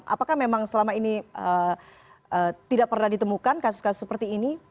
apakah memang selama ini tidak pernah ditemukan kasus kasus seperti ini